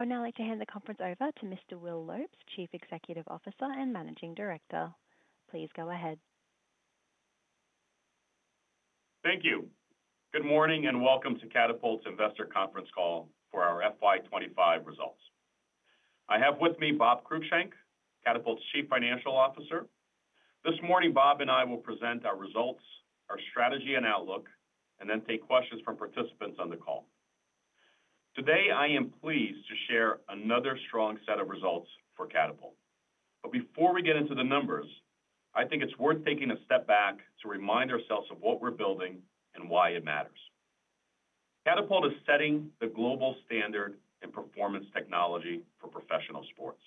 I'd now like to hand the conference over to Mr. Will Lopes, Chief Executive Officer and Managing Director. Please go ahead. Thank you. Good morning and welcome to Catapult's Investor Conference call for our FY25 results. I have with me Bob Krugshank, Catapult's Chief Financial Officer. This morning, Bob and I will present our results, our strategy, and outlook, and then take questions from participants on the call. Today, I am pleased to share another strong set of results for Catapult. Before we get into the numbers, I think it's worth taking a step back to remind ourselves of what we're building and why it matters. Catapult is setting the global standard in performance technology for professional sports.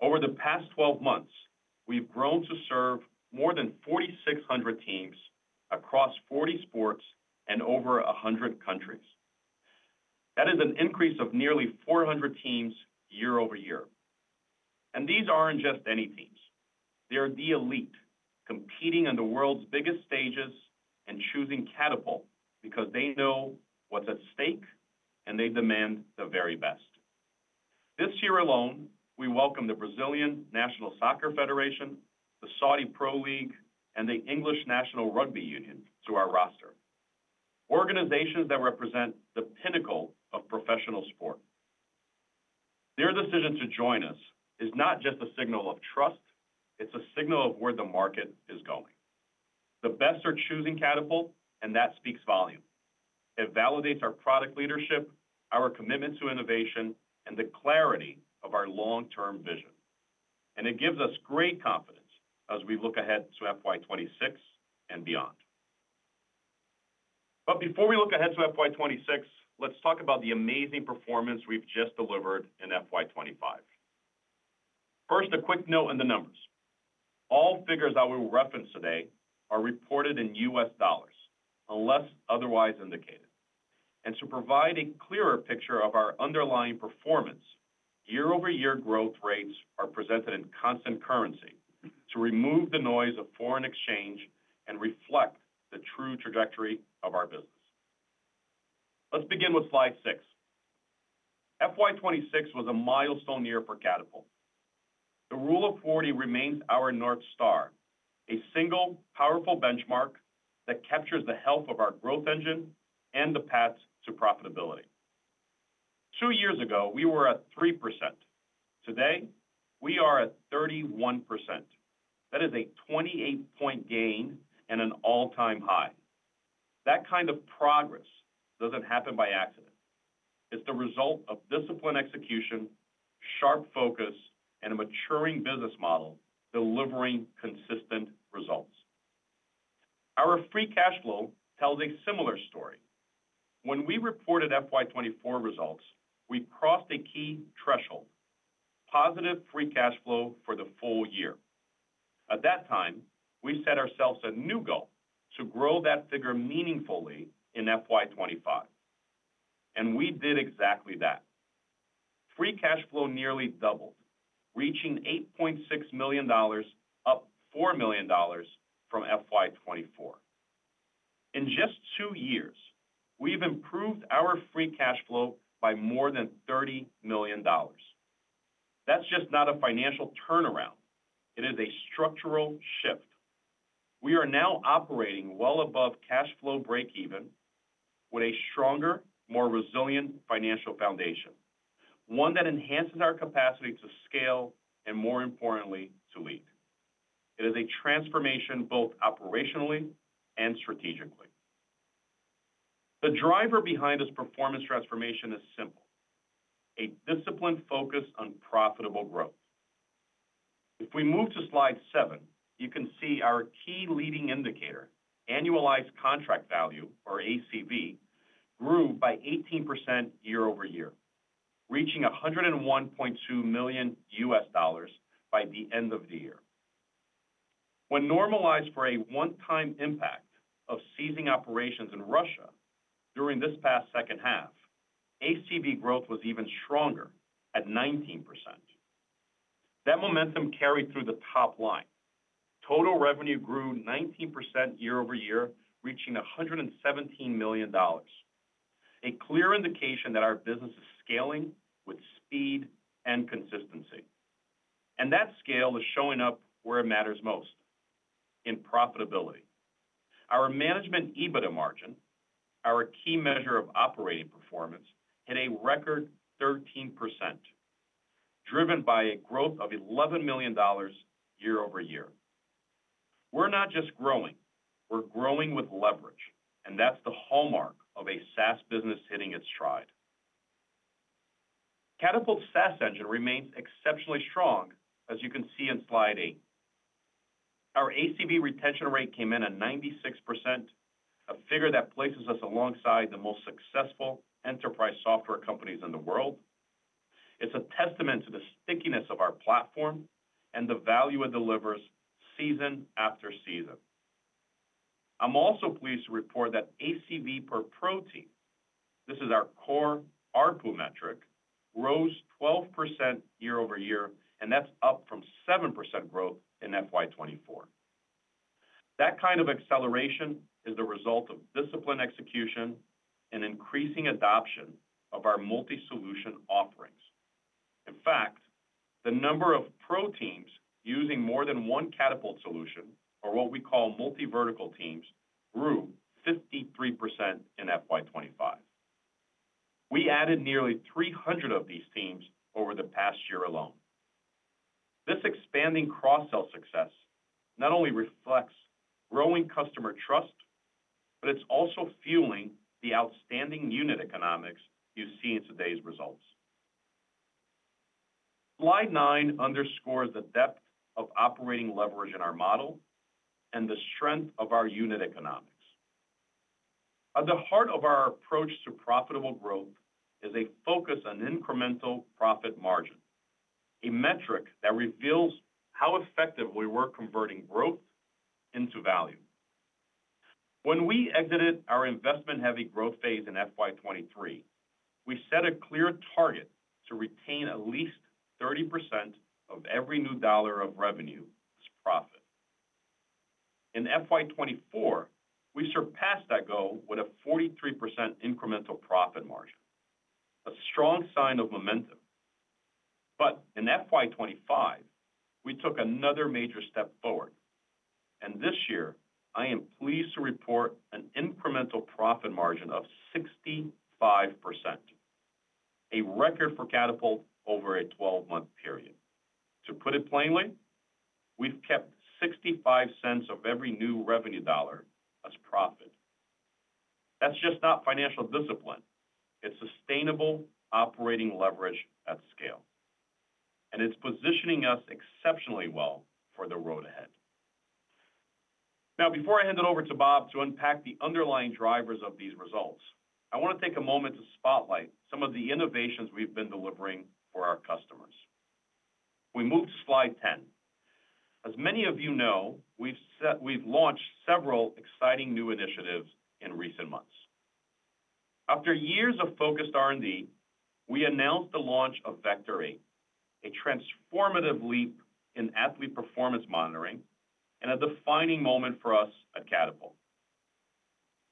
Over the past 12 months, we've grown to serve more than 4,600 teams across 40 sports and over 100 countries. That is an increase of nearly 400 teams year over year. These aren't just any teams. They are the elite, competing on the world's biggest stages and choosing Catapult because they know what's at stake, and they demand the very best. This year alone, we welcomed the Brazilian National Soccer Federation, the Saudi Pro League, and the English National Rugby Union to our roster—organizations that represent the pinnacle of professional sport. Their decision to join us is not just a signal of trust; it is a signal of where the market is going. The best are choosing Catapult, and that speaks volumes. It validates our product leadership, our commitment to innovation, and the clarity of our long-term vision. It gives us great confidence as we look ahead to FY26 and beyond. Before we look ahead to FY26, let's talk about the amazing performance we have just delivered in FY25. First, a quick note on the numbers. All figures I will reference today are reported in U.S. dollars, unless otherwise indicated. To provide a clearer picture of our underlying performance, year-over-year growth rates are presented in constant currency to remove the noise of foreign exchange and reflect the true trajectory of our business. Let's begin with slide six. FY26 was a milestone year for Catapult. The Rule of 40 remains our North Star, a single, powerful benchmark that captures the health of our growth engine and the path to profitability. Two years ago, we were at 3%. Today, we are at 31%. That is a 28-point gain and an all-time high. That kind of progress does not happen by accident. It is the result of disciplined execution, sharp focus, and a maturing business model delivering consistent results. Our free cash flow tells a similar story. When we reported FY24 results, we crossed a key threshold: positive free cash flow for the full year. At that time, we set ourselves a new goal to grow that figure meaningfully in FY25. We did exactly that. Free cash flow nearly doubled, reaching $8.6 million, up $4 million from FY24. In just two years, we have improved our free cash flow by more than $30 million. That is just not a financial turnaround. It is a structural shift. We are now operating well above cash flow breakeven with a stronger, more resilient financial foundation, one that enhances our capacity to scale and, more importantly, to lead. It is a transformation both operationally and strategically. The driver behind this performance transformation is simple: a disciplined focus on profitable growth. If we move to slide seven, you can see our key leading indicator, annualized contract value, or ACV, grew by 18% year over year, reaching $101.2 million by the end of the year. When normalized for a one-time impact of ceasing operations in Russia during this past second half, ACV growth was even stronger at 19%. That momentum carried through the top line. Total revenue grew 19% year over year, reaching $117 million, a clear indication that our business is scaling with speed and consistency. That scale is showing up where it matters most: in profitability. Our management EBITDA margin, our key measure of operating performance, hit a record 13%, driven by a growth of $11 million year over year. We're not just growing; we're growing with leverage, and that's the hallmark of a SaaS business hitting its stride. Catapult's SaaS engine remains exceptionally strong, as you can see in slide eight. Our ACV retention rate came in at 96%, a figure that places us alongside the most successful enterprise software companies in the world. It's a testament to the stickiness of our platform and the value it delivers season after season. I'm also pleased to report that ACV per pro team—this is our core ARPU metric—rose 12% year over year, and that's up from 7% growth in FY2024. That kind of acceleration is the result of disciplined execution and increasing adoption of our multi-solution offerings. In fact, the number of pro teams using more than one Catapult solution, or what we call multi-vertical teams, grew 53% in FY2025. We added nearly 300 of these teams over the past year alone. This expanding cross-sell success not only reflects growing customer trust, but it's also fueling the outstanding unit economics you see in today's results. Slide nine underscores the depth of operating leverage in our model and the strength of our unit economics. At the heart of our approach to profitable growth is a focus on incremental profit margin, a metric that reveals how effective we were at converting growth into value. When we exited our investment-heavy growth phase in FY 2023, we set a clear target to retain at least 30% of every new dollar of revenue as profit. In FY 2024, we surpassed that goal with a 43% incremental profit margin, a strong sign of momentum. In FY 2025, we took another major step forward. This year, I am pleased to report an incremental profit margin of 65%, a record for Catapult over a 12-month period. To put it plainly, we've kept 65 cents of every new revenue dollar as profit. That is just not financial discipline. It is sustainable operating leverage at scale. It is positioning us exceptionally well for the road ahead. Now, before I hand it over to Bob to unpack the underlying drivers of these results, I want to take a moment to spotlight some of the innovations we've been delivering for our customers. We move to slide ten. As many of you know, we've launched several exciting new initiatives in recent months. After years of focused R&D, we announced the launch of Vector-8, a transformative leap in athlete performance monitoring and a defining moment for us at Catapult.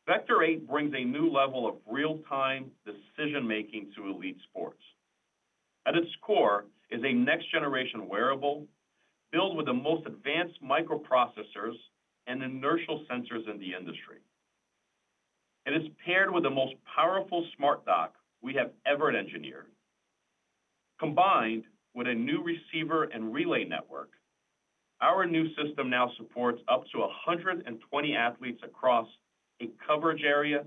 Vector-8 brings a new level of real-time decision-making to elite sports. At its core is a next-generation wearable, built with the most advanced microprocessors and inertial sensors in the industry. It is paired with the most powerful smart dock we have ever engineered. Combined with a new receiver and relay network, our new system now supports up to 120 athletes across a coverage area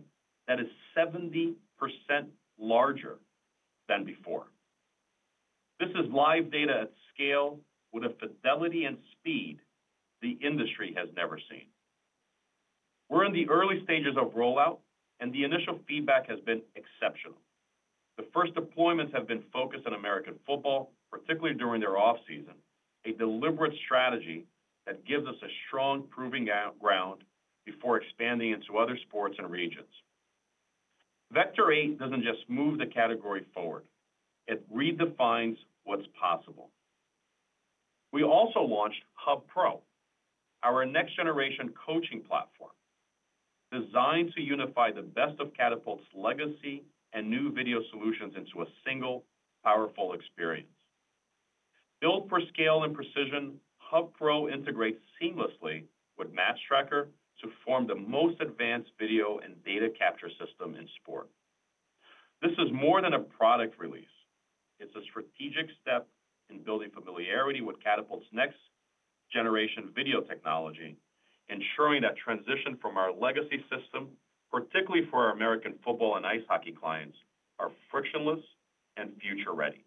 that is 70% larger than before. This is live data at scale with a fidelity and speed the industry has never seen. We're in the early stages of rollout, and the initial feedback has been exceptional. The first deployments have been focused on American football, particularly during their off-season, a deliberate strategy that gives us a strong proving ground before expanding into other sports and regions. Vector-8 doesn't just move the category forward; it redefines what's possible. We also launched HubPro, our next-generation coaching platform, designed to unify the best of Catapult's legacy and new video solutions into a single, powerful experience. Built for scale and precision, HubPro integrates seamlessly with MatchTracker to form the most advanced video and data capture system in sport. This is more than a product release. It's a strategic step in building familiarity with Catapult's next-generation video technology, ensuring that transition from our legacy system, particularly for our American football and ice hockey clients, is frictionless and future-ready.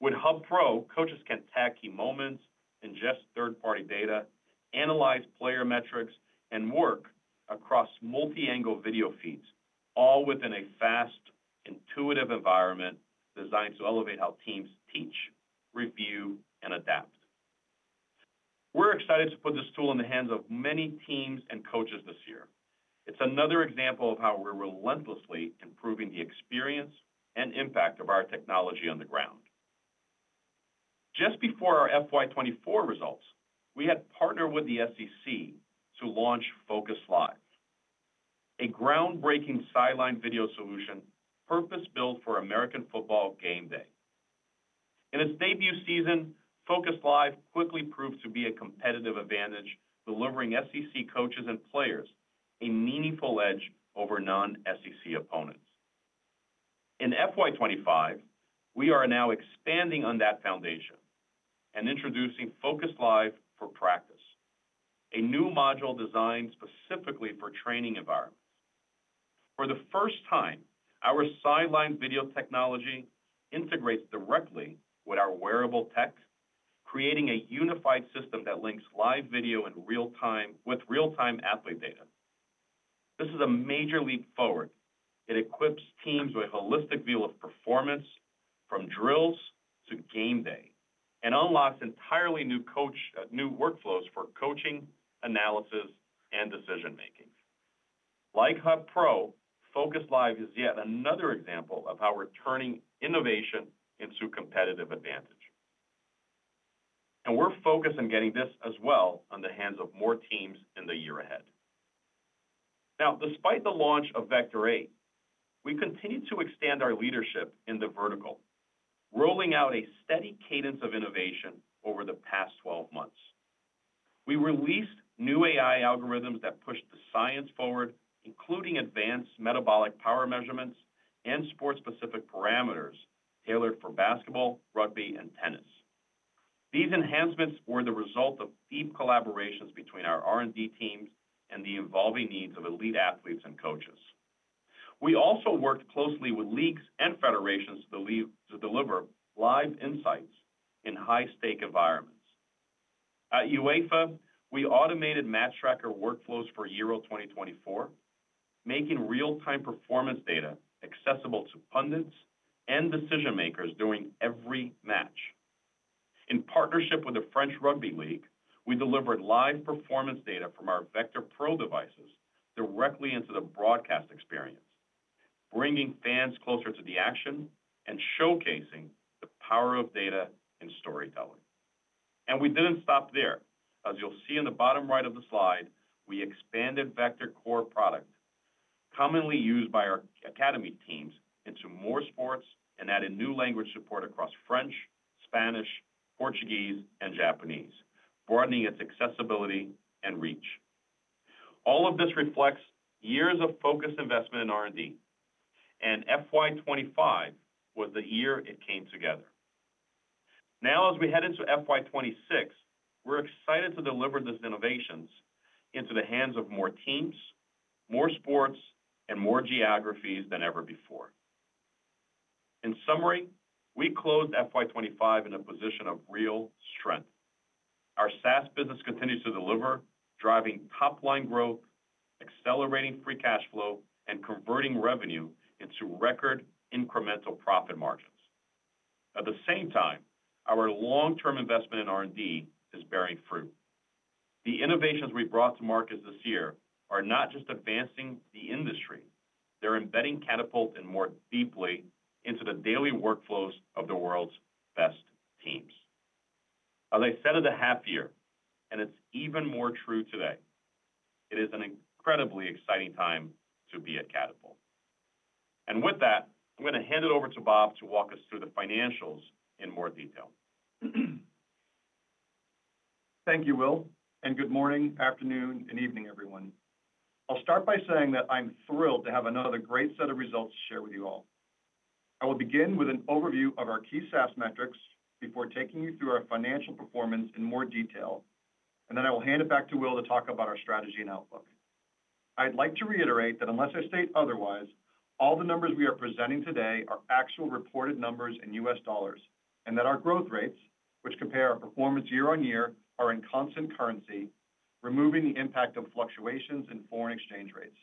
With HubPro, coaches can tag key moments, ingest third-party data, analyze player metrics, and work across multi-angle video feeds, all within a fast, intuitive environment designed to elevate how teams teach, review, and adapt. We're excited to put this tool in the hands of many teams and coaches this year. It's another example of how we're relentlessly improving the experience and impact of our technology on the ground. Just before our FY24 results, we had partnered with the SEC to launch Focus Live, a groundbreaking sideline video solution purpose-built for American football game day. In its debut season, Focus Live quickly proved to be a competitive advantage, delivering SEC coaches and players a meaningful edge over non-SEC opponents. In FY25, we are now expanding on that foundation and introducing Focus Live for practice, a new module designed specifically for training environments. For the first time, our sideline video technology integrates directly with our wearable tech, creating a unified system that links live video in real-time with real-time athlete data. This is a major leap forward. It equips teams with a holistic view of performance, from drills to game day, and unlocks entirely new workflows for coaching, analysis, and decision-making. Like HubPro, Focus Live is yet another example of how we're turning innovation into competitive advantage. We are focused on getting this as well on the hands of more teams in the year ahead. Now, despite the launch of Vector-8, we continue to expand our leadership in the vertical, rolling out a steady cadence of innovation over the past 12 months. We released new AI algorithms that push the science forward, including advanced metabolic power measurements and sport-specific parameters tailored for basketball, rugby, and tennis. These enhancements were the result of deep collaborations between our R&D teams and the evolving needs of elite athletes and coaches. We also worked closely with leagues and federations to deliver live insights in high-stake environments. At UEFA, we automated MatchTracker workflows for Euro 2024, making real-time performance data accessible to pundits and decision-makers during every match. In partnership with the French Rugby League, we delivered live performance data from our Vector-Pro devices directly into the broadcast experience, bringing fans closer to the action and showcasing the power of data and storytelling. We did not stop there. As you'll see in the bottom right of the slide, we expanded Vector's core product, commonly used by our academy teams, into more sports and added new language support across French, Spanish, Portuguese, and Japanese, broadening its accessibility and reach. All of this reflects years of focused investment in R&D. FY25 was the year it came together. Now, as we head into FY26, we're excited to deliver these innovations into the hands of more teams, more sports, and more geographies than ever before. In summary, we closed FY25 in a position of real strength. Our SaaS business continues to deliver, driving top-line growth, accelerating free cash flow, and converting revenue into record incremental profit margins. At the same time, our long-term investment in R&D is bearing fruit. The innovations we brought to market this year are not just advancing the industry; they're embedding Catapult more deeply into the daily workflows of the world's best teams. As I said at the half year, and it's even more true today, it is an incredibly exciting time to be at Catapult. With that, I'm going to hand it over to Bob to walk us through the financials in more detail. Thank you, Will. Good morning, afternoon, and evening, everyone. I'll start by saying that I'm thrilled to have another great set of results to share with you all. I will begin with an overview of our key SaaS metrics before taking you through our financial performance in more detail, and then I will hand it back to Will to talk about our strategy and outlook. I'd like to reiterate that unless I state otherwise, all the numbers we are presenting today are actual reported numbers in U.S. dollars and that our growth rates, which compare our performance year on year, are in constant currency, removing the impact of fluctuations in foreign exchange rates.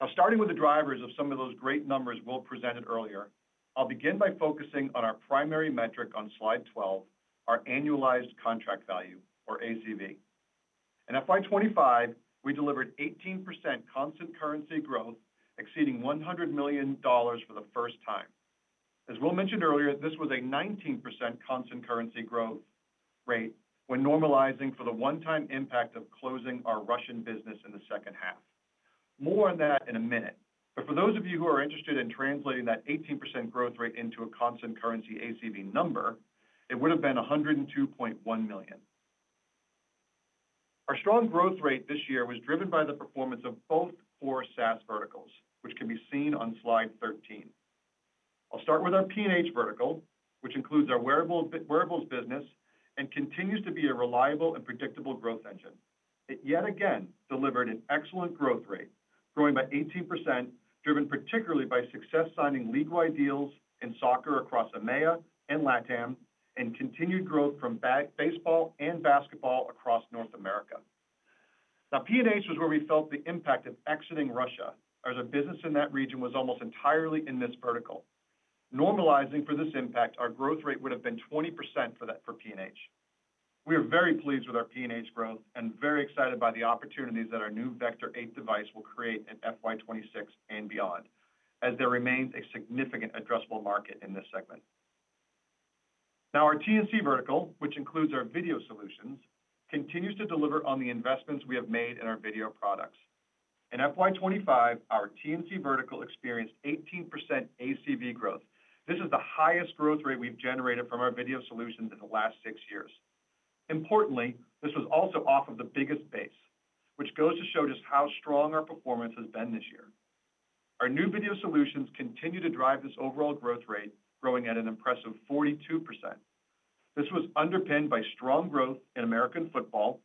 Now, starting with the drivers of some of those great numbers Will presented earlier, I'll begin by focusing on our primary metric on slide 12, our annualized contract value, or ACV. In FY25, we delivered 18% constant currency growth, exceeding $100 million for the first time. As Will mentioned earlier, this was a 19% constant currency growth rate when normalizing for the one-time impact of closing our Russian business in the second half. More on that in a minute. For those of you who are interested in translating that 18% growth rate into a constant currency ACV number, it would have been $102.1 million. Our strong growth rate this year was driven by the performance of both core SaaS verticals, which can be seen on slide 13. I'll start with our P&H vertical, which includes our wearables business and continues to be a reliable and predictable growth engine. It yet again delivered an excellent growth rate, growing by 18%, driven particularly by success signing league-wide deals in soccer across EMEA and LATAM and continued growth from baseball and basketball across North America. Now, P&H was where we felt the impact of exiting Russia, as our business in that region was almost entirely in this vertical. Normalizing for this impact, our growth rate would have been 20% for P&H. We are very pleased with our P&H growth and very excited by the opportunities that our new Vector-8 device will create in FY26 and beyond, as there remains a significant addressable market in this segment. Now, our T&C vertical, which includes our video solutions, continues to deliver on the investments we have made in our video products. In FY25, our T&C vertical experienced 18% ACV growth. This is the highest growth rate we've generated from our video solutions in the last six years. Importantly, this was also off of the biggest base, which goes to show just how strong our performance has been this year. Our new video solutions continue to drive this overall growth rate, growing at an impressive 42%. This was underpinned by strong growth in American football,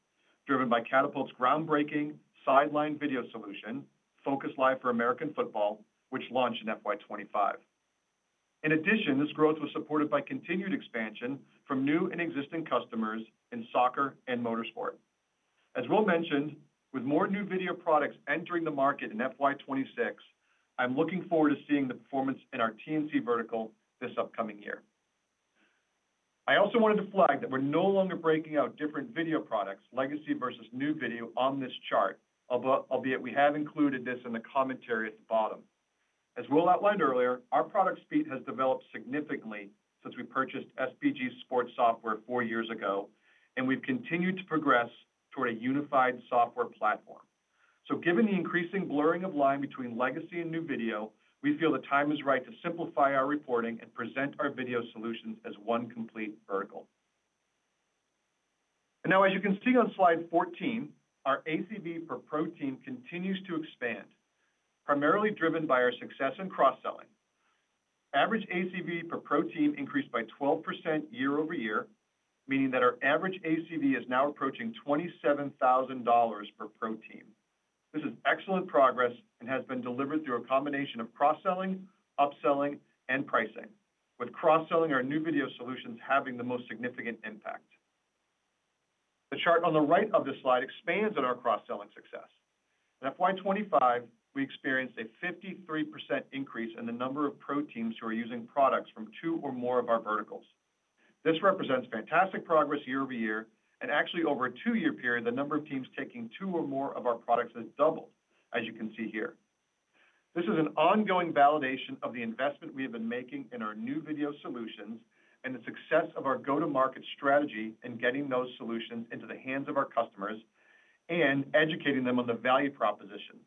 driven by Catapult's groundbreaking sideline video solution, Focus Live for American football, which launched in FY25. In addition, this growth was supported by continued expansion from new and existing customers in soccer and motorsport. As Will mentioned, with more new video products entering the market in FY26, I'm looking forward to seeing the performance in our T&C vertical this upcoming year. I also wanted to flag that we're no longer breaking out different video products, legacy versus new video, on this chart, albeit we have included this in the commentary at the bottom. As Will outlined earlier, our product speed has developed significantly since we purchased SPG Sports Software four years ago, and we've continued to progress toward a unified software platform. Given the increasing blurring of line between legacy and new video, we feel the time is right to simplify our reporting and present our video solutions as one complete vertical. As you can see on slide 14, our ACV per pro team continues to expand, primarily driven by our success in cross-selling. Average ACV per pro team increased by 12% year over year, meaning that our average ACV is now approaching $27,000 per pro team. This is excellent progress and has been delivered through a combination of cross-selling, upselling, and pricing, with cross-selling our new video solutions having the most significant impact. The chart on the right of the slide expands on our cross-selling success. In FY25, we experienced a 53% increase in the number of pro teams who are using products from two or more of our verticals. This represents fantastic progress year over year, and actually, over a two-year period, the number of teams taking two or more of our products has doubled, as you can see here. This is an ongoing validation of the investment we have been making in our new video solutions and the success of our go-to-market strategy in getting those solutions into the hands of our customers and educating them on the value proposition.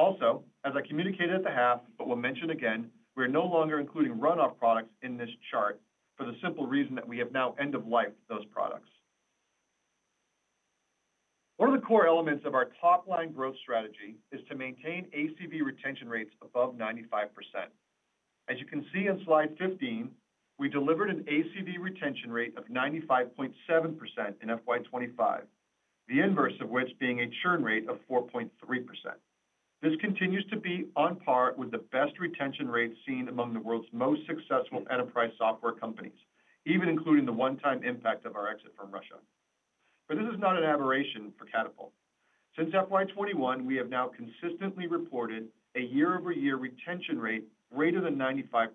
Also, as I communicated at the half, but will mention again, we are no longer including runoff products in this chart for the simple reason that we have now end-of-life those products. One of the core elements of our top-line growth strategy is to maintain ACV retention rates above 95%. As you can see in slide 15, we delivered an ACV retention rate of 95.7% in FY25, the inverse of which being a churn rate of 4.3%. This continues to be on par with the best retention rate seen among the world's most successful enterprise software companies, even including the one-time impact of our exit from Russia. This is not an aberration for Catapult. Since FY2021, we have now consistently reported a year-over-year retention rate greater than 95%.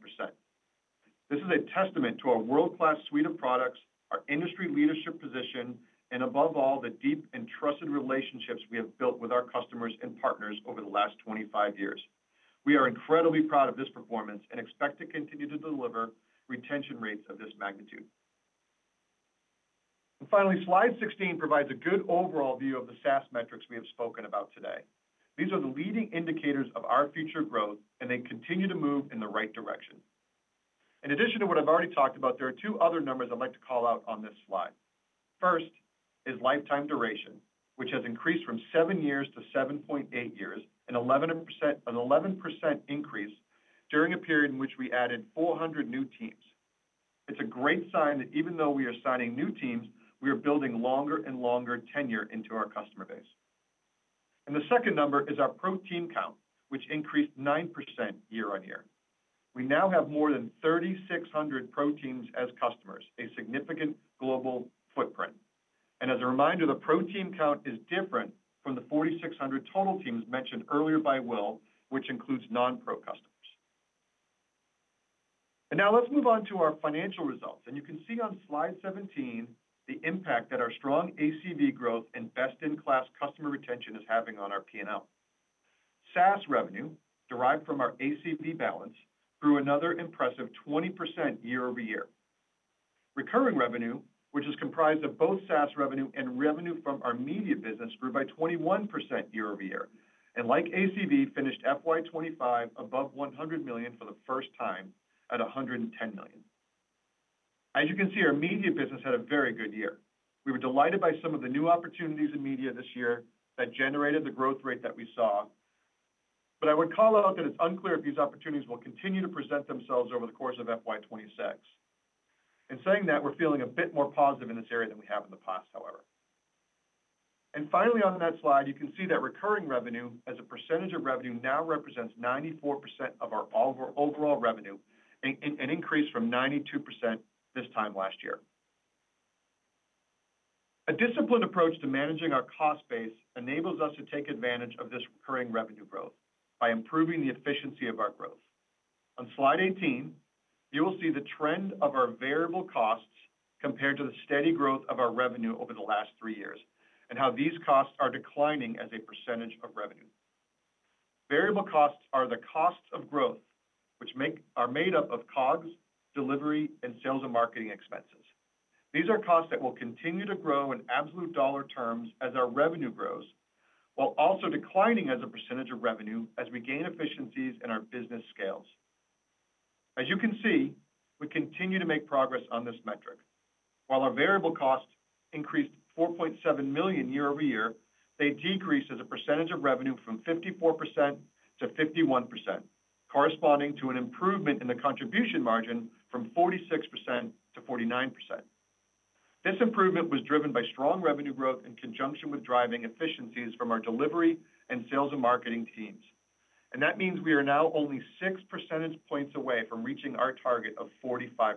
This is a testament to our world-class suite of products, our industry leadership position, and above all, the deep and trusted relationships we have built with our customers and partners over the last 25 years. We are incredibly proud of this performance and expect to continue to deliver retention rates of this magnitude. Finally, slide 16 provides a good overall view of the SaaS metrics we have spoken about today. These are the leading indicators of our future growth, and they continue to move in the right direction. In addition to what I have already talked about, there are two other numbers I would like to call out on this slide. First is lifetime duration, which has increased from seven years to 7.8 years, an 11% increase during a period in which we added 400 new teams. It's a great sign that even though we are signing new teams, we are building longer and longer tenure into our customer base. The second number is our pro team count, which increased 9% year on year. We now have more than 3,600 pro teams as customers, a significant global footprint. As a reminder, the pro team count is different from the 4,600 total teams mentioned earlier by Will, which includes non-pro customers. Now let's move on to our financial results. You can see on slide 17 the impact that our strong ACV growth and best-in-class customer retention is having on our P&L. SaaS revenue derived from our ACV balance grew another impressive 20% year-over-year. Recurring revenue, which is comprised of both SaaS revenue and revenue from our media business, grew by 21% year over year. Like ACV, it finished FY25 above $100 million for the first time at $110 million. As you can see, our media business had a very good year. We were delighted by some of the new opportunities in media this year that generated the growth rate that we saw. I would call out that it is unclear if these opportunities will continue to present themselves over the course of FY26. In saying that, we are feeling a bit more positive in this area than we have in the past, however. Finally, on that slide, you can see that recurring revenue, as a percentage of revenue, now represents 94% of our overall revenue, an increase from 92% this time last year. A disciplined approach to managing our cost base enables us to take advantage of this recurring revenue growth by improving the efficiency of our growth. On slide 18, you will see the trend of our variable costs compared to the steady growth of our revenue over the last three years and how these costs are declining as a percentage of revenue. Variable costs are the costs of growth, which are made up of COGS, delivery, and sales and marketing expenses. These are costs that will continue to grow in absolute dollar terms as our revenue grows, while also declining as a percentage of revenue as we gain efficiencies in our business scales. As you can see, we continue to make progress on this metric. While our variable costs increased $4.7 million year over year, they decreased as a percentage of revenue from 54% to 51%, corresponding to an improvement in the contribution margin from 46% to 49%. This improvement was driven by strong revenue growth in conjunction with driving efficiencies from our delivery and sales and marketing teams. That means we are now only six percentage points away from reaching our target of 45%.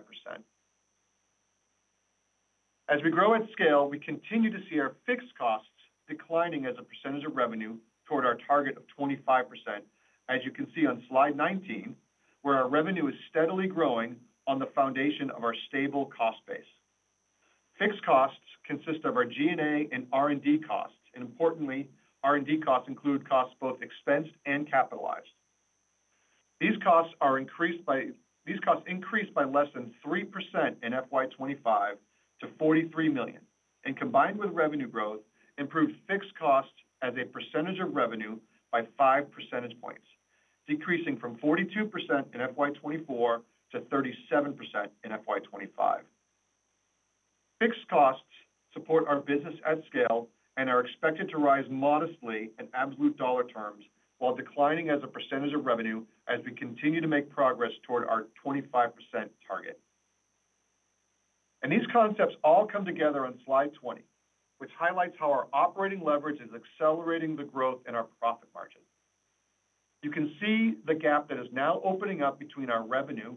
As we grow at scale, we continue to see our fixed costs declining as a percentage of revenue toward our target of 25%, as you can see on slide 19, where our revenue is steadily growing on the foundation of our stable cost base. Fixed costs consist of our G&A and R&D costs. Importantly, R&D costs include costs both expensed and capitalized. These costs increased by less than 3% in FY2025 to $43 million. Combined with revenue growth, improved fixed costs as a percentage of revenue by 5 percentage points, decreasing from 42% in FY2024 to 37% in FY2025. Fixed costs support our business at scale and are expected to rise modestly in absolute dollar terms while declining as a percentage of revenue as we continue to make progress toward our 25% target. These concepts all come together on slide 20, which highlights how our operating leverage is accelerating the growth in our profit margin. You can see the gap that is now opening up between our revenue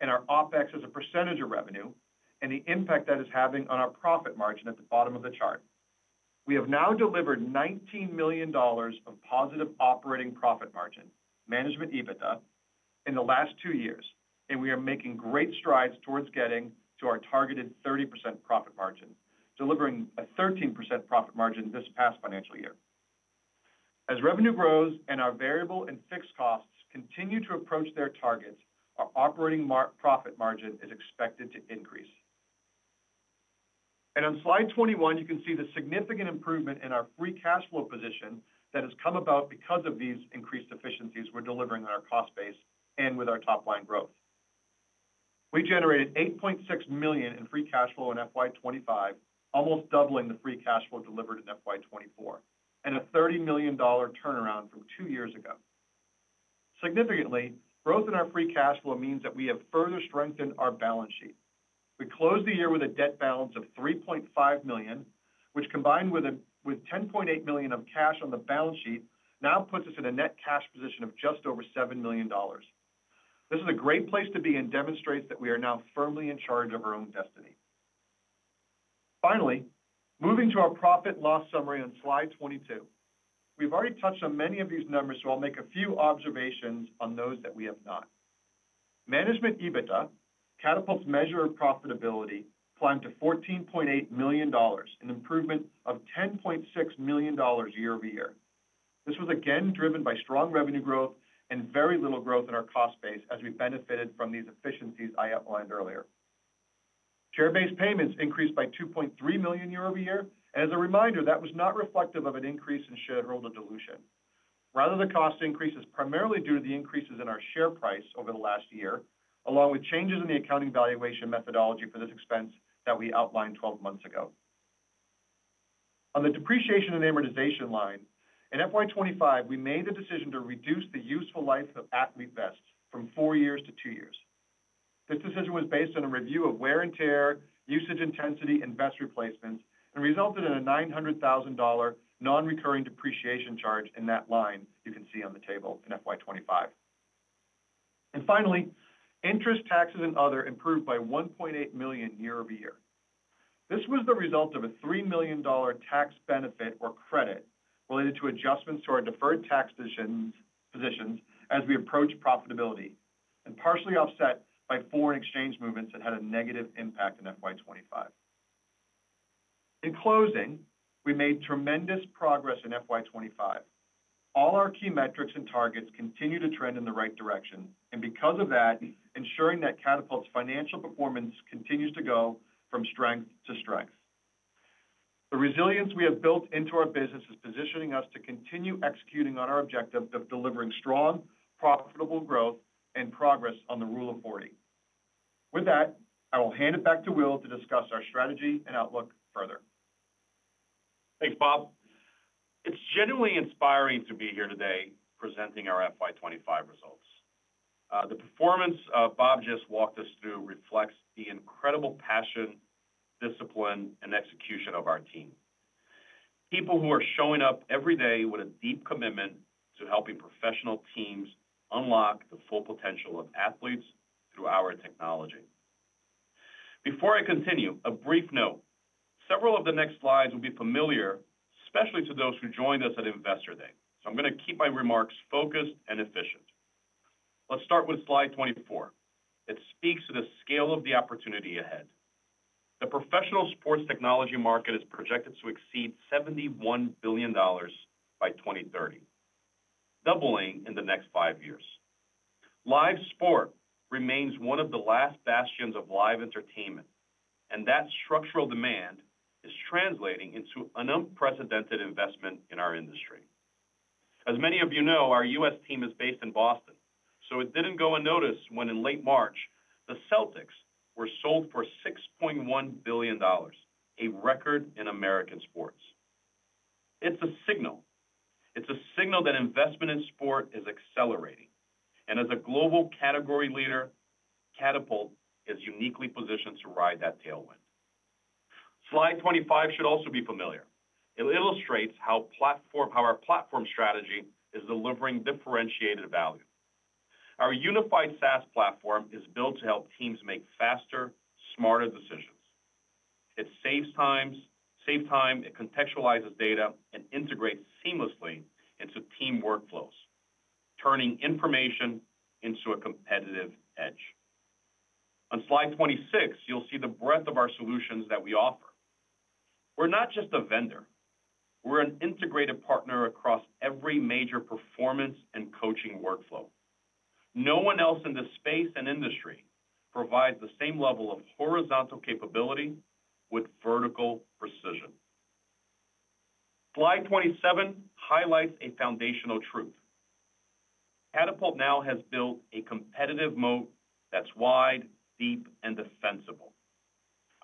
and our OpEx as a percentage of revenue and the impact that is having on our profit margin at the bottom of the chart. We have now delivered $19 million of positive operating profit margin, management EBITDA, in the last two years, and we are making great strides towards getting to our targeted 30% profit margin, delivering a 13% profit margin this past financial year. As revenue grows and our variable and fixed costs continue to approach their targets, our operating profit margin is expected to increase. On slide 21, you can see the significant improvement in our free cash flow position that has come about because of these increased efficiencies we're delivering on our cost base and with our top-line growth. We generated $8.6 million in free cash flow in FY25, almost doubling the free cash flow delivered in FY24, and a $30 million turnaround from two years ago. Significantly, growth in our free cash flow means that we have further strengthened our balance sheet. We closed the year with a debt balance of $3.5 million, which, combined with $10.8 million of cash on the balance sheet, now puts us in a net cash position of just over $7 million. This is a great place to be and demonstrates that we are now firmly in charge of our own destiny. Finally, moving to our profit loss summary on slide 22, we've already touched on many of these numbers, so I'll make a few observations on those that we have not. Management EBITDA, Catapult's measure of profitability, climbed to $14.8 million and an improvement of $10.6 million year over year. This was again driven by strong revenue growth and very little growth in our cost base as we benefited from these efficiencies I outlined earlier. Share-based payments increased by $2.3 million year-over-year. As a reminder, that was not reflective of an increase in shareholder dilution. Rather, the cost increase is primarily due to the increases in our share price over the last year, along with changes in the accounting valuation methodology for this expense that we outlined 12 months ago. On the depreciation and amortization line, in FY25, we made the decision to reduce the useful life of athlete vests from four years to two years. This decision was based on a review of wear and tear, usage intensity, and vest replacements, and resulted in a $900,000 non-recurring depreciation charge in that line you can see on the table in FY25. Finally, interest, taxes, and other improved by $1.8 million year-over-year. This was the result of a $3 million tax benefit or credit related to adjustments to our deferred tax positions as we approached profitability and partially offset by foreign exchange movements that had a negative impact in FY25. In closing, we made tremendous progress in FY25. All our key metrics and targets continue to trend in the right direction. Because of that, ensuring that Catapult's financial performance continues to go from strength to strength. The resilience we have built into our business is positioning us to continue executing on our objective of delivering strong, profitable growth and progress on the Rule of 40. With that, I will hand it back to Will to discuss our strategy and outlook further. Thanks, Bob. It's genuinely inspiring to be here today presenting our FY25 results. The performance Bob just walked us through reflects the incredible passion, discipline, and execution of our team. People who are showing up every day with a deep commitment to helping professional teams unlock the full potential of athletes through our technology. Before I continue, a brief note. Several of the next slides will be familiar, especially to those who joined us at Investor Day. I am going to keep my remarks focused and efficient. Let's start with slide 24. It speaks to the scale of the opportunity ahead. The professional sports technology market is projected to exceed $71 billion by 2030, doubling in the next five years. Live sport remains one of the last bastions of live entertainment, and that structural demand is translating into an unprecedented investment in our industry. As many of you know, our U.S. team is based in Boston. It did not go unnoticed when, in late March, the Celtics were sold for $6.1 billion, a record in American sports. It is a signal. It's a signal that investment in sport is accelerating. As a global category leader, Catapult is uniquely positioned to ride that tailwind. Slide 25 should also be familiar. It illustrates how our platform strategy is delivering differentiated value. Our unified SaaS platform is built to help teams make faster, smarter decisions. It saves time, it contextualizes data, and integrates seamlessly into team workflows, turning information into a competitive edge. On slide 26, you'll see the breadth of our solutions that we offer. We're not just a vendor. We're an integrated partner across every major performance and coaching workflow. No one else in this space and industry provides the same level of horizontal capability with vertical precision. Slide 27 highlights a foundational truth. Catapult now has built a competitive moat that's wide, deep, and defensible.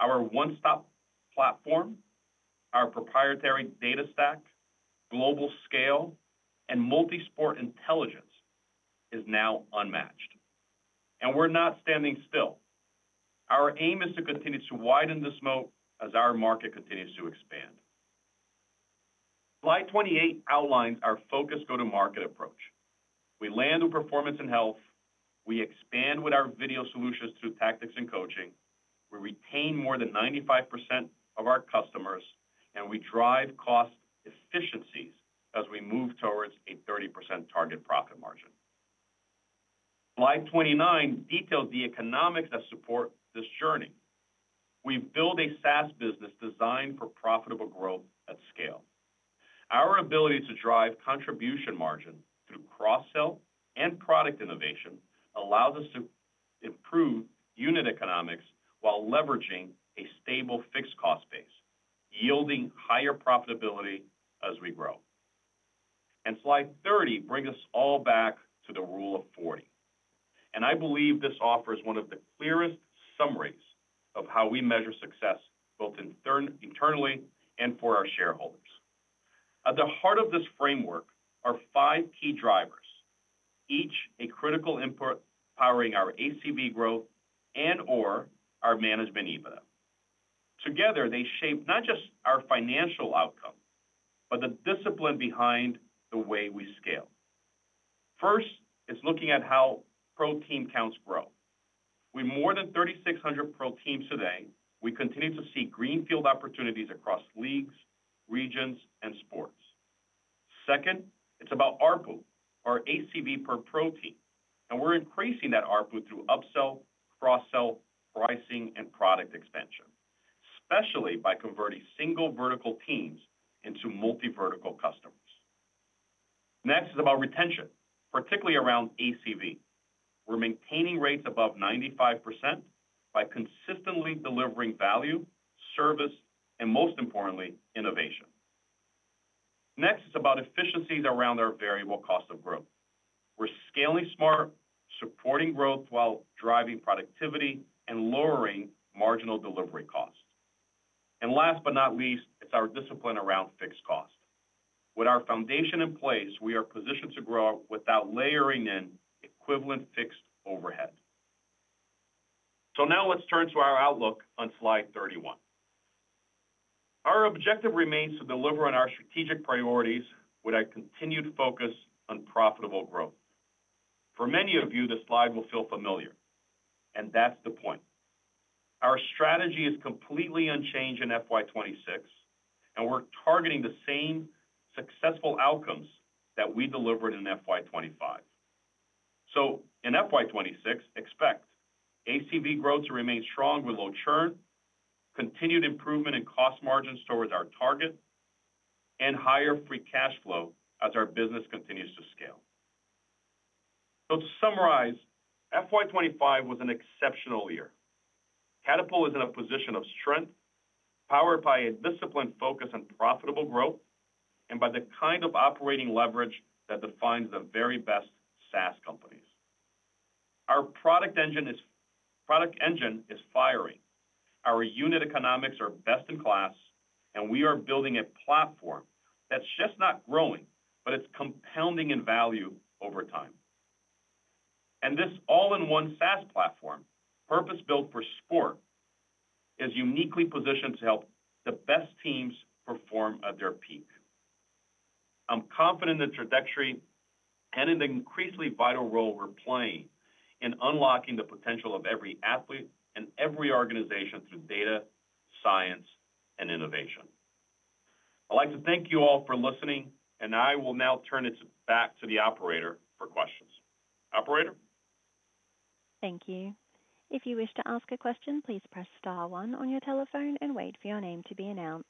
Our one-stop platform, our proprietary data stack, global scale, and multi-sport intelligence is now unmatched. We are not standing still. Our aim is to continue to widen this moat as our market continues to expand. Slide 28 outlines our focused go-to-market approach. We land on performance and health. We expand with our video solutions through tactics and coaching. We retain more than 95% of our customers, and we drive cost efficiencies as we move towards a 30% target profit margin. Slide 29 details the economics that support this journey. We have built a SaaS business designed for profitable growth at scale. Our ability to drive contribution margin through cross-sell and product innovation allows us to improve unit economics while leveraging a stable fixed cost base, yielding higher profitability as we grow. Slide 30 brings us all back to the Rule of 40. I believe this offers one of the clearest summaries of how we measure success both internally and for our shareholders. At the heart of this framework are five key drivers, each a critical input powering our ACV growth and/or our management EBITDA. Together, they shape not just our financial outcome, but the discipline behind the way we scale. First, it's looking at how pro team counts grow. With more than 3,600 pro teams today, we continue to see greenfield opportunities across leagues, regions, and sports. Second, it's about ARPU, our ACV per pro team. And we're increasing that ARPU through upsell, cross-sell, pricing, and product expansion, especially by converting single vertical teams into multi-vertical customers. Next is about retention, particularly around ACV. We're maintaining rates above 95% by consistently delivering value, service, and most importantly, innovation. Next is about efficiencies around our variable cost of growth. We're scaling smart, supporting growth while driving productivity and lowering marginal delivery costs. Last but not least, it's our discipline around fixed cost. With our foundation in place, we are positioned to grow without layering in equivalent fixed overhead. Now let's turn to our outlook on slide 31. Our objective remains to deliver on our strategic priorities with our continued focus on profitable growth. For many of you, this slide will feel familiar. That's the point. Our strategy is completely unchanged in FY26, and we're targeting the same successful outcomes that we delivered in FY25. In FY26, expect ACV growth to remain strong with low churn, continued improvement in cost margins towards our target, and higher free cash flow as our business continues to scale. To summarize, FY25 was an exceptional year. Catapult is in a position of strength, powered by a disciplined focus on profitable growth and by the kind of operating leverage that defines the very best SaaS companies. Our product engine is firing. Our unit economics are best in class, and we are building a platform that's just not growing, but it's compounding in value over time. This all-in-one SaaS platform, purpose-built for sport, is uniquely positioned to help the best teams perform at their peak. I'm confident in the trajectory and in the increasingly vital role we're playing in unlocking the potential of every athlete and every organization through data, science, and innovation. I'd like to thank you all for listening, and I will now turn it back to the operator for questions. Operator? Thank you. If you wish to ask a question, please press star one on your telephone and wait for your name to be announced.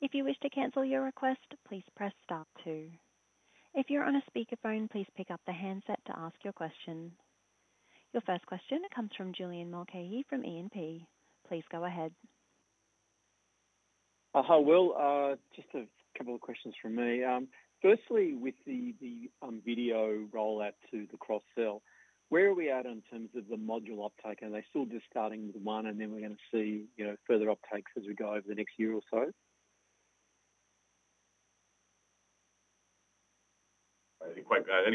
If you wish to cancel your request, please press star two. If you're on a speakerphone, please pick up the handset to ask your question. Your first question comes from Julian Mulcahy from ENP. Please go ahead. Just a couple of questions from me. Firstly, with the video rollout to the cross-sell, where are we at in terms of the module uptake? Are they still just starting with one, and then we're going to see further uptakes as we go over the next year or so? I didn't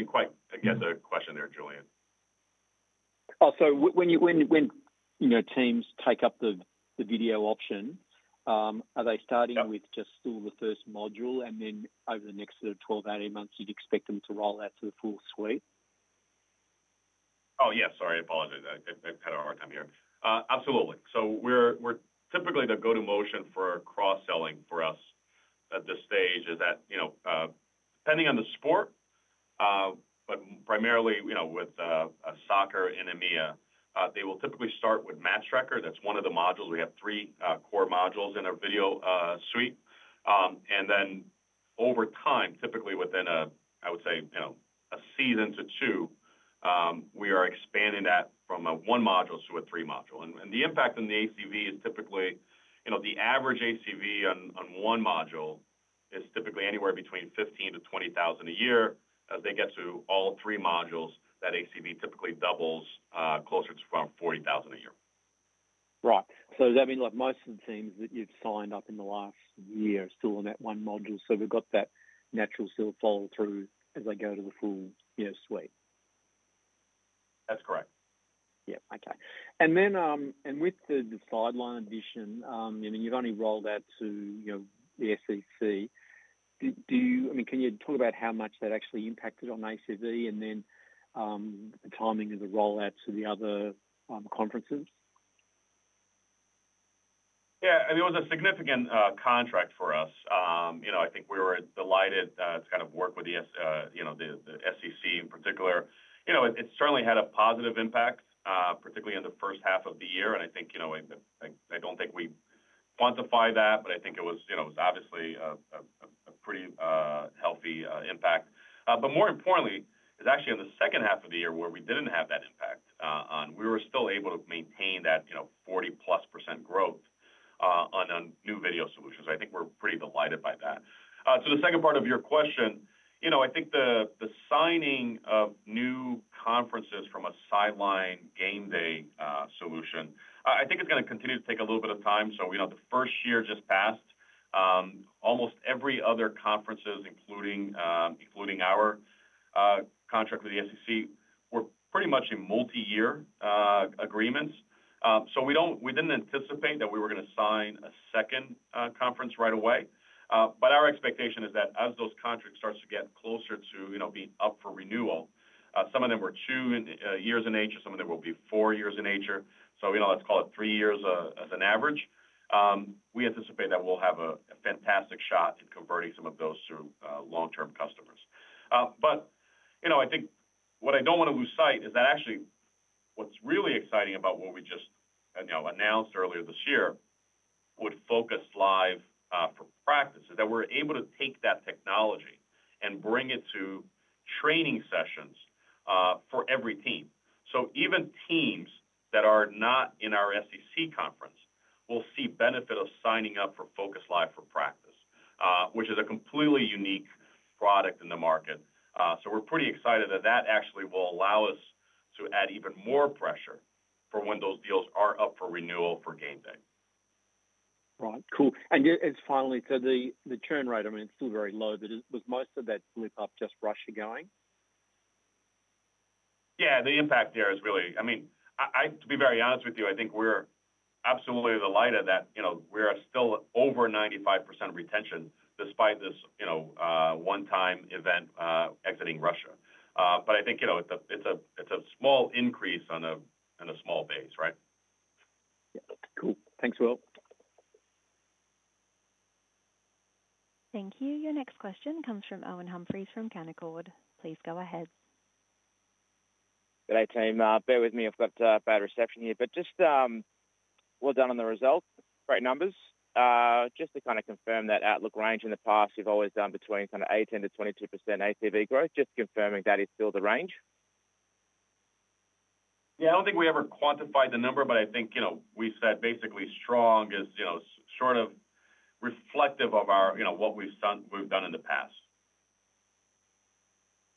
quite get the question there, Julian. Oh, so when teams take up the video option, are they starting with just still the first module, and then over the next sort of 12, 18 months, you'd expect them to roll out to the full suite? Oh, yeah. Sorry. I apologize. I've had a hard time here. Absolutely. Typically, the go-to-motion for cross-selling for us at this stage is that, depending on the sport, but primarily with soccer and EMEA, they will typically start with MatchTracker. That's one of the modules. We have three core modules in our video suite. Then over time, typically within a, I would say, a season to two, we are expanding that from a one module to a three module. The impact on the ACV is typically the average ACV on one module is typically anywhere between $15,000 to $20,000 a year. As they get to all three modules, that ACV typically doubles closer to around $40,000 a year. Right. Does that mean most of the teams that you've signed up in the last year are still on that one module? We've got that natural still follow-through as they go to the full suite? That's correct. Yeah. Okay. With the sideline addition, I mean, you've only rolled out to the SEC. I mean, can you talk about how much that actually impacted on ACV and then the timing of the roll-out to the other conferences? Yeah. I mean, it was a significant contract for us. I think we were delighted to kind of work with the SEC in particular. It certainly had a positive impact, particularly in the first half of the year. I think I do not think we quantify that, but I think it was obviously a pretty healthy impact. More importantly, it is actually in the second half of the year where we did not have that impact on. We were still able to maintain that 40+% growth on new video solutions. I think we are pretty delighted by that. To the second part of your question, I think the signing of new conferences from a sideline game day solution, I think it's going to continue to take a little bit of time. The first year just passed. Almost every other conference, including our contract with the SEC, were pretty much in multi-year agreements. We didn't anticipate that we were going to sign a second conference right away. Our expectation is that as those contracts start to get closer to being up for renewal, some of them were two years in nature, some of them will be four years in nature. Let's call it three years as an average. We anticipate that we'll have a fantastic shot in converting some of those to long-term customers. I think what I don't want to lose sight of is that actually what's really exciting about what we just announced earlier this year with Focus Live for practice is that we're able to take that technology and bring it to training sessions for every team. Even teams that are not in our SEC conference will see benefit of signing up for Focus Live for practice, which is a completely unique product in the market. We're pretty excited that that actually will allow us to add even more pressure for when those deals are up for renewal for game day. Right. Cool. Finally, the churn rate, I mean, it's still very low, but was most of that flip-up just Russia going? Yeah. The impact there is really, I mean, to be very honest with you, I think we're absolutely delighted that we're still over 95% retention despite this one-time event exiting Russia. I think it's a small increase on a small base, right? Cool. Thanks, Will. Thank you. Your next question comes from Owen Humphries from Canaccord. Please go ahead. Good afternoon. Bear with me. I've got bad reception here. Just well done on the result, great numbers. Just to kind of confirm that outlook range, in the past, you've always done between 18-22% ACV growth. Just confirming that is still the range? Yeah. I don't think we ever quantified the number, but I think we said basically strong is sort of reflective of what we've done in the past.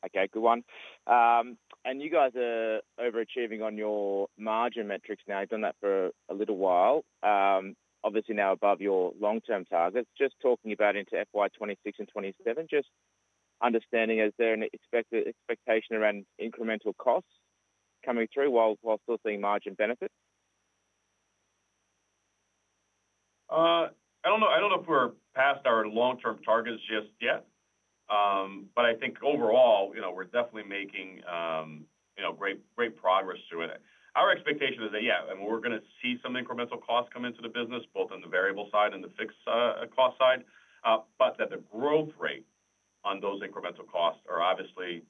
Okay. Good one. You guys are overachieving on your margin metrics now. You've done that for a little while. Obviously now above your long-term targets. Just talking about into FY2026 and 2027, just understanding, is there an expectation around incremental costs coming through while still seeing margin benefits? I don't know if we're past our long-term targets just yet. But I think overall, we're definitely making great progress to it. Our expectation is that, yeah, we're going to see some incremental costs come into the business, both on the variable side and the fixed cost side, but that the growth rate on those incremental costs are obviously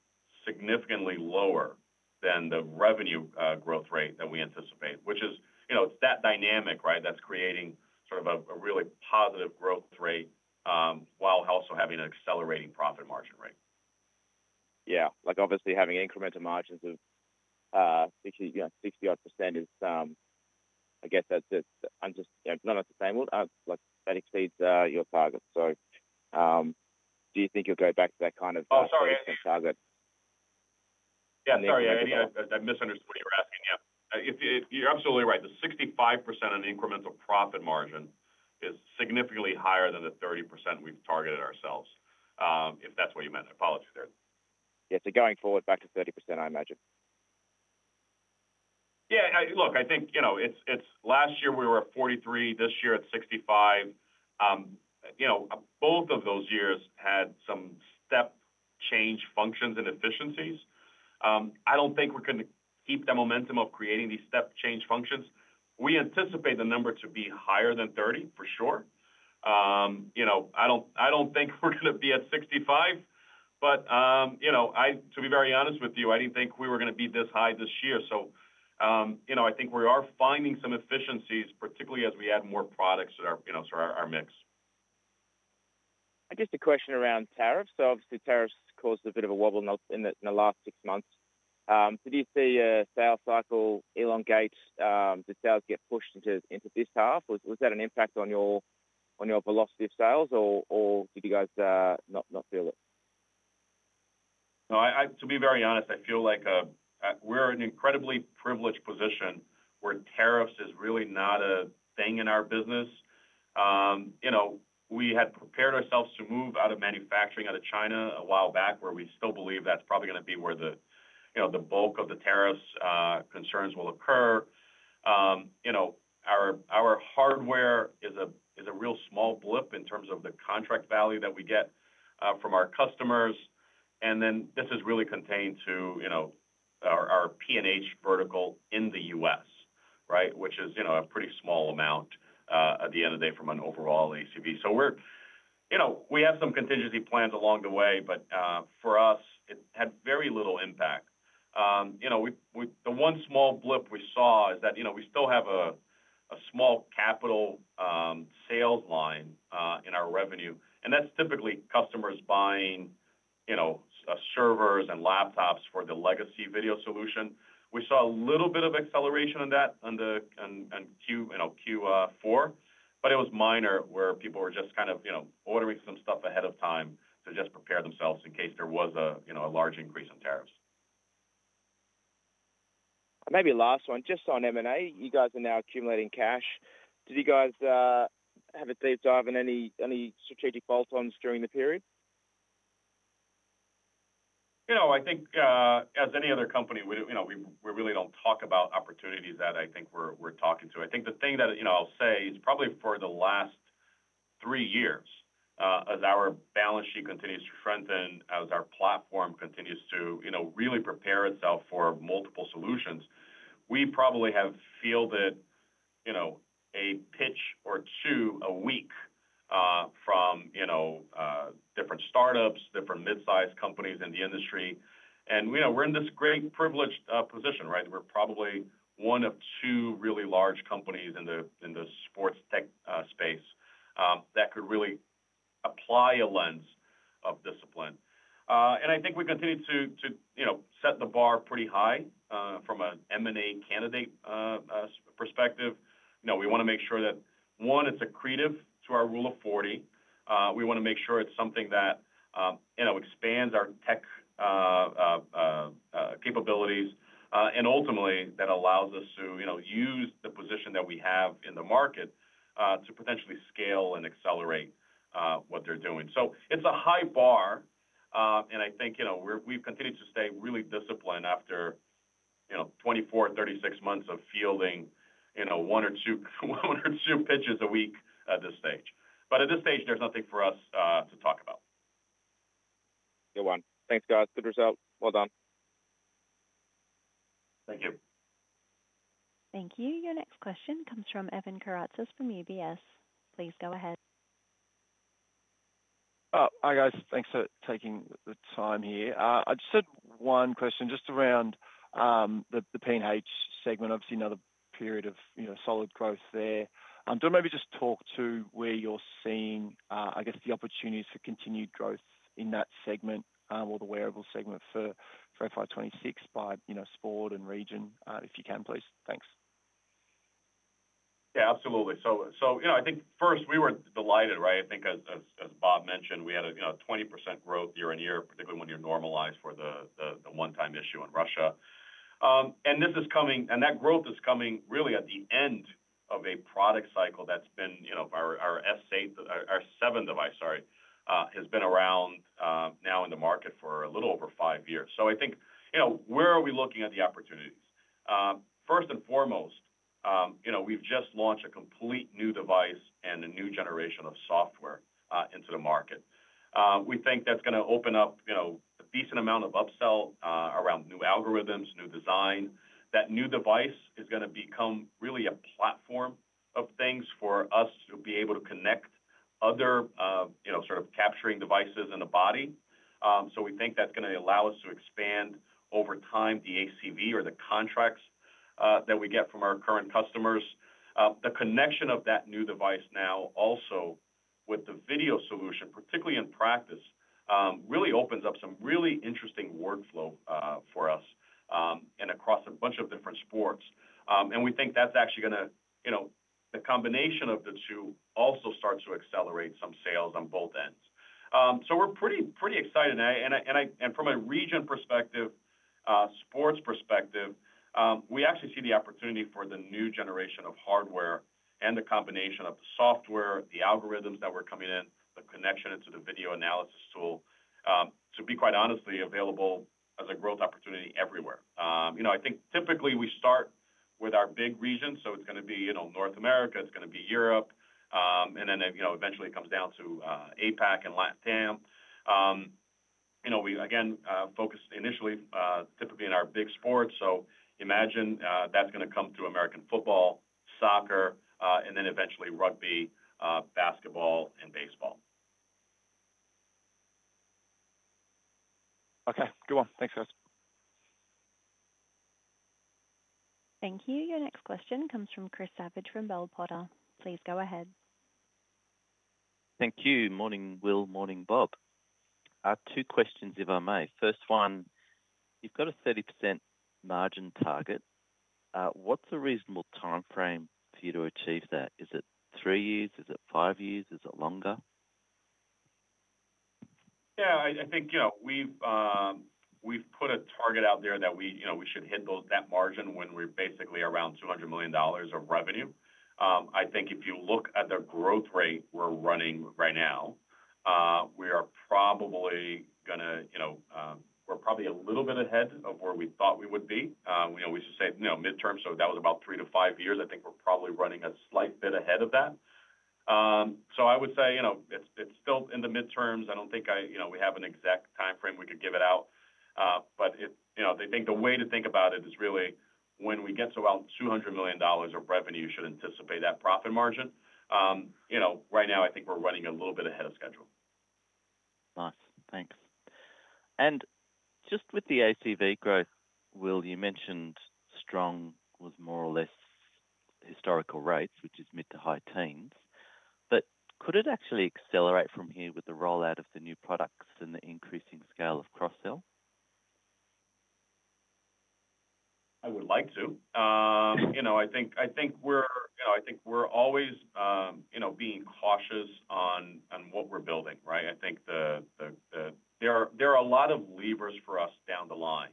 significantly lower than the revenue growth rate that we anticipate, which is that dynamic, right, that's creating sort of a really positive growth rate while also having an accelerating profit margin rate. Yeah. Obviously, having incremental margins of 60-odd % is, I guess, not understandable. That exceeds your target. Do you think you'll go back to that kind of target? Oh, sorry. Yeah. Sorry. I misunderstood what you were asking. Yeah. You're absolutely right. The 65% on the incremental profit margin is significantly higher than the 30% we've targeted ourselves, if that's what you meant. I apologize there. Yeah. Going forward back to 30%, I imagine. Yeah. Look, I think last year we were at 43. This year at 65. Both of those years had some step change functions and efficiencies. I don't think we're going to keep the momentum of creating these step change functions. We anticipate the number to be higher than 30, for sure. I don't think we're going to be at 65. To be very honest with you, I didn't think we were going to be this high this year. I think we are finding some efficiencies, particularly as we add more products to our mix. Just a question around tariffs. Obviously, tariffs caused a bit of a wobble in the last six months. Did you see sales cycle elongate? Did sales get pushed into this half? Was that an impact on your velocity of sales, or did you guys not feel it? No. To be very honest, I feel like we're in an incredibly privileged position where tariffs is really not a thing in our business. We had prepared ourselves to move out of manufacturing out of China a while back, where we still believe that's probably going to be where the bulk of the tariffs concerns will occur. Our hardware is a real small blip in terms of the contract value that we get from our customers. This is really contained to our P&H vertical in the U.S., right, which is a pretty small amount at the end of the day from an overall ACV. We have some contingency plans along the way, but for us, it had very little impact. The one small blip we saw is that we still have a small capital sales line in our revenue. That is typically customers buying servers and laptops for the legacy video solution. We saw a little bit of acceleration on that in Q4, but it was minor where people were just kind of ordering some stuff ahead of time to just prepare themselves in case there was a large increase in tariffs. Maybe last one, just on M&A, you guys are now accumulating cash. Did you guys have a day job in any strategic bolt-ons during the period? I think, as any other company, we really don't talk about opportunities that I think we're talking to. I think the thing that I'll say is probably for the last three years, as our balance sheet continues to strengthen, as our platform continues to really prepare itself for multiple solutions, we probably have fielded a pitch or two a week from different startups, different mid-sized companies in the industry. We're in this great privileged position, right? We're probably one of two really large companies in the sports tech space that could really apply a lens of discipline. I think we continue to set the bar pretty high from an M&A candidate perspective. We want to make sure that, one, it's accretive to our rule of 40. We want to make sure it's something that expands our tech capabilities and ultimately that allows us to use the position that we have in the market to potentially scale and accelerate what they're doing. It's a high bar. I think we've continued to stay really disciplined after 24 to 36 months of fielding one or two pitches a week at this stage. At this stage, there's nothing for us to talk about. Good one. Thanks, guys. Good result. Well done. Thank you. Thank you. Your next question comes from Evan Carrazas from UBS. Please go ahead. Hi, guys. Thanks for taking the time here. I just had one question just around the P&H segment. Obviously, another period of solid growth there. Do you want to maybe just talk to where you're seeing, I guess, the opportunities for continued growth in that segment or the wearable segment for FY26 by sport and region, if you can, please? Thanks. Yeah. Absolutely. I think first, we were delighted, right? I think as Bob mentioned, we had a 20% growth year on year, particularly when you normalize for the one-time issue in Russia. That growth is coming really at the end of a product cycle that's been our seventh device, sorry, has been around now in the market for a little over five years. I think where are we looking at the opportunities? First and foremost, we've just launched a complete new device and a new generation of software into the market. We think that's going to open up a decent amount of upsell around new algorithms, new design. That new device is going to become really a platform of things for us to be able to connect other sort of capturing devices in the body. We think that's going to allow us to expand over time the ACV or the contracts that we get from our current customers. The connection of that new device now also with the video solution, particularly in practice, really opens up some really interesting workflow for us and across a bunch of different sports. We think that's actually going to the combination of the two also starts to accelerate some sales on both ends. We're pretty excited. From a region perspective, sports perspective, we actually see the opportunity for the new generation of hardware and the combination of the software, the algorithms that are coming in, the connection into the video analysis tool, to be quite honestly, available as a growth opportunity everywhere. I think typically we start with our big region. It's going to be North America. It's going to be Europe. Eventually it comes down to APAC and LATAM. We, again, focus initially typically in our big sports. Imagine that's going to come through American football, soccer, and then eventually rugby, basketball, and baseball. Okay. Good one. Thanks, guys. Thank you. Your next question comes from Chris Savage from Bell Potter. Please go ahead. Thank you. Morning, Will. Morning, Bob. Two questions, if I may. First one, you've got a 30% margin target. What's a reasonable timeframe for you to achieve that? Is it three years? Is it five years? Is it longer? Yeah. I think we've put a target out there that we should hit that margin when we're basically around $200 million of revenue. I think if you look at the growth rate we're running right now, we are probably a little bit ahead of where we thought we would be. We used to say midterm, so that was about three to five years. I think we're probably running a slight bit ahead of that. I would say it's still in the midterms. I don't think we have an exact timeframe we could give it out. I think the way to think about it is really when we get to about $200 million of revenue, you should anticipate that profit margin. Right now, I think we're running a little bit ahead of schedule. Nice. Thanks. Just with the ACV growth, Will, you mentioned strong was more or less historical rates, which is mid to high teens. Could it actually accelerate from here with the rollout of the new products and the increasing scale of cross-sell? I would like to. I think we're always being cautious on what we're building, right? I think there are a lot of levers for us down the line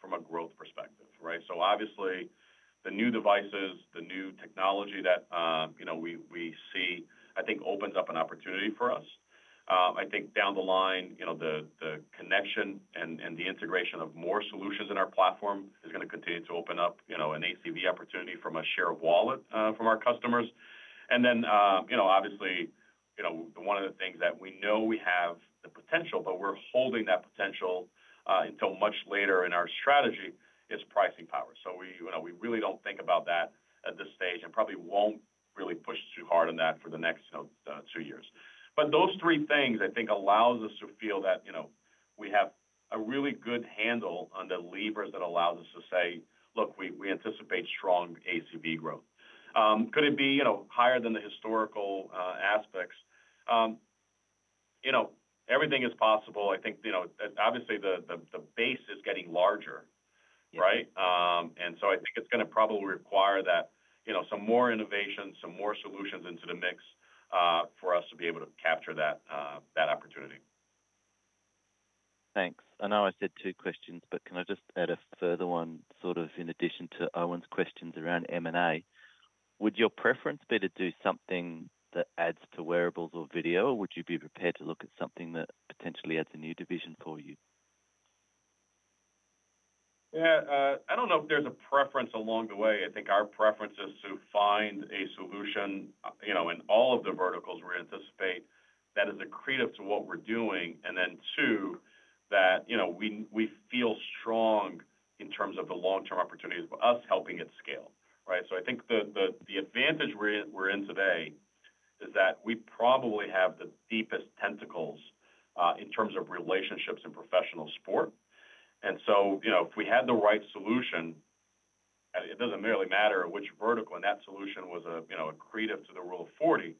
from a growth perspective, right? Obviously, the new devices, the new technology that we see, I think opens up an opportunity for us. I think down the line, the connection and the integration of more solutions in our platform is going to continue to open up an ACV opportunity from a share of wallet from our customers. Obviously, one of the things that we know we have the potential, but we're holding that potential until much later in our strategy is pricing power. We really do not think about that at this stage and probably will not really push too hard on that for the next two years. Those three things, I think, allow us to feel that we have a really good handle on the levers that allow us to say, "Look, we anticipate strong ACV growth." Could it be higher than the historical aspects? Everything is possible. I think, obviously, the base is getting larger, right? I think it is going to probably require some more innovation, some more solutions into the mix for us to be able to capture that opportunity. Thanks. I know I said two questions, but can I just add a further one sort of in addition to Owen's questions around M&A? Would your preference be to do something that adds to wearables or video? Would you be prepared to look at something that potentially adds a new division for you? Yeah. I don't know if there's a preference along the way. I think our preference is to find a solution in all of the verticals we anticipate that is accretive to what we're doing. And then two, that we feel strong in terms of the long-term opportunities for us helping it scale, right? I think the advantage we're in today is that we probably have the deepest tentacles in terms of relationships in professional sport. If we had the right solution, it doesn't merely matter which vertical. That solution was accretive to the rule of 40.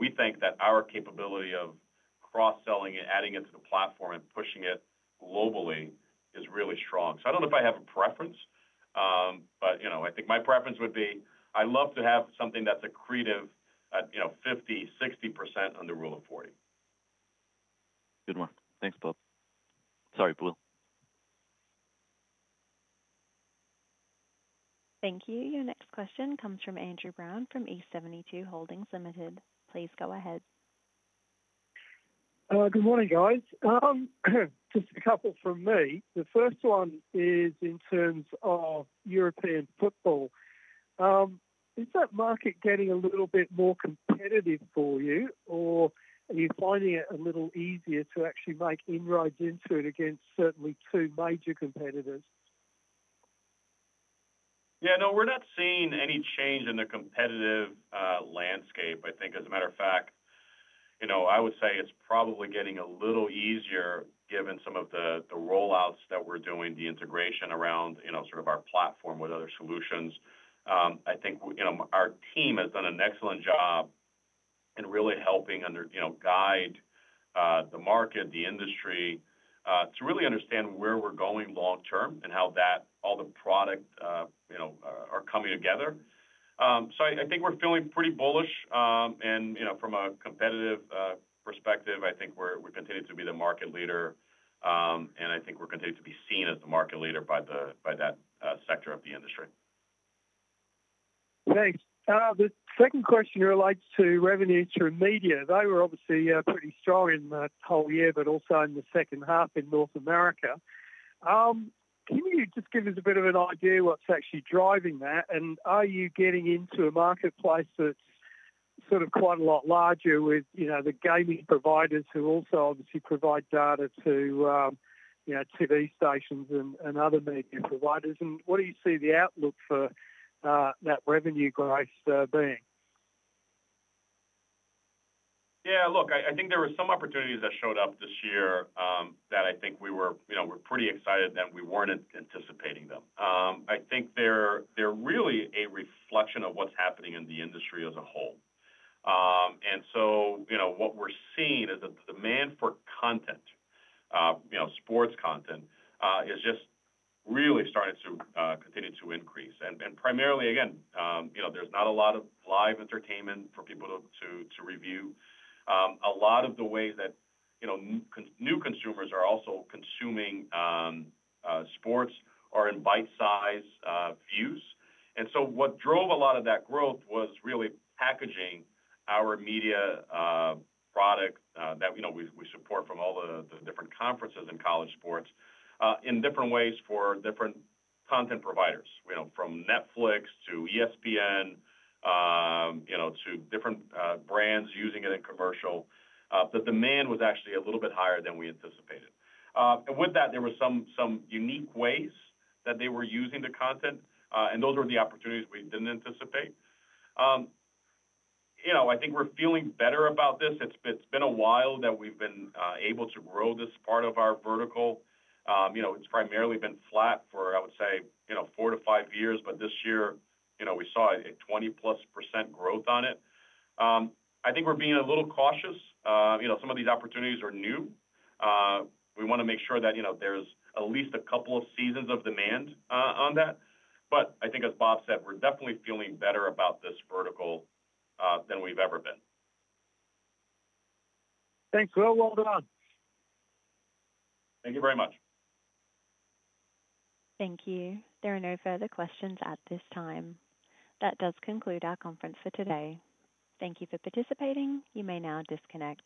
We think that our capability of cross-selling and adding it to the platform and pushing it globally is really strong. I do not know if I have a preference, but I think my preference would be I would love to have something that is accretive at 50-60% on the rule of 40. Good one. Thanks, Bob. Sorry, Will. Thank you. Your next question comes from Andrew Brown from East 72 Holdings Limited. Please go ahead. Good morning, guys. Just a couple from me. The first one is in terms of European football. Is that market getting a little bit more competitive for you, or are you finding it a little easier to actually make inroads into it against certainly two major competitors? Yeah. No, we are not seeing any change in the competitive landscape. I think, as a matter of fact, I would say it's probably getting a little easier given some of the rollouts that we're doing, the integration around sort of our platform with other solutions. I think our team has done an excellent job in really helping guide the market, the industry to really understand where we're going long-term and how all the products are coming together. I think we're feeling pretty bullish. From a competitive perspective, I think we're continuing to be the market leader. I think we're continuing to be seen as the market leader by that sector of the industry. Thanks. The second question relates to revenue through media. They were obviously pretty strong in the whole year, but also in the second half in North America. Can you just give us a bit of an idea of what's actually driving that? Are you getting into a marketplace that's sort of quite a lot larger with the gaming providers who also obviously provide data to TV stations and other media providers? What do you see the outlook for that revenue growth being? Yeah. Look, I think there were some opportunities that showed up this year that I think we were pretty excited that we weren't anticipating them. I think they're really a reflection of what's happening in the industry as a whole. What we're seeing is that the demand for content, sports content, is just really starting to continue to increase. Primarily, again, there's not a lot of live entertainment for people to review. A lot of the ways that new consumers are also consuming sports are in bite-sized views. What drove a lot of that growth was really packaging our media product that we support from all the different conferences in college sports in different ways for different content providers, from Netflix to ESPN to different brands using it in commercial. The demand was actually a little bit higher than we anticipated. With that, there were some unique ways that they were using the content. Those were the opportunities we did not anticipate. I think we are feeling better about this. It has been a while that we have been able to grow this part of our vertical. It has primarily been flat for, I would say, four to five years. This year, we saw a 20% plus growth on it. I think we are being a little cautious. Some of these opportunities are new. We want to make sure that there's at least a couple of seasons of demand on that. I think, as Bob said, we're definitely feeling better about this vertical than we've ever been. Thanks, Will. Well done. Thank you very much. Thank you. There are no further questions at this time. That does conclude our conference for today. Thank you for participating. You may now disconnect.